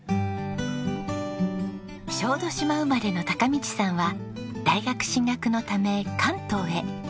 小豆島生まれの貴道さんは大学進学のため関東へ。